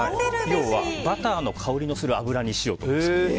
要はバターの香りのする油にしようと思います。